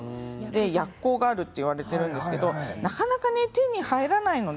薬効があるといわれているんですけどなかなか手に入らないので。